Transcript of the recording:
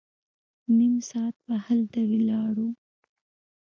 نيم ساعت به هلته ولاړ وو.